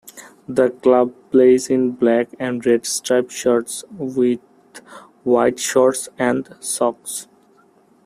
The club plays in black and red stripe shirts with white shorts and socks.